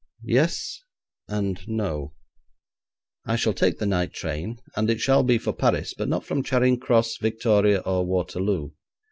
'Yes, and no. I shall take the night train, and it shall be for Paris, but not from Charing Cross, Victoria, or Waterloo.